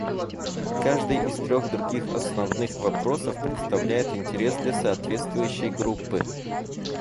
Каждый из трех других основных вопросов представляет интерес для соответствующей группы.